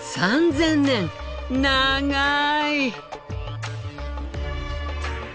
長い。